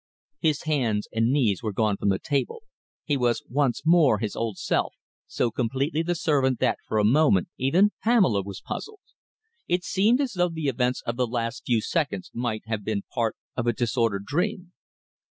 His hands and knee were gone from the table. He was once more his old self, so completely the servant that for a moment even Pamela was puzzled. It seemed as though the events of the last few seconds might have been part of a disordered dream.